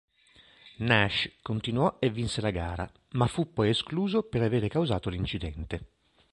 Nash continuò e vinse la gara, ma fu poi escluso per aver causato l'incidente.